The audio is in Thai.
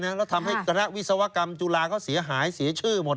แล้วทำให้ตรกวิสาวกรรมจุฬาที่ก็เสียหายเสียชื่อหมด